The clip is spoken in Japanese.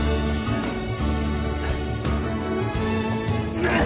うっ！